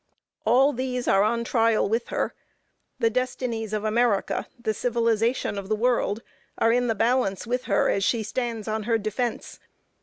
All these are on trial with her; the destinies of America, the civilization of the world, are in the balance with her as she stands on her defence.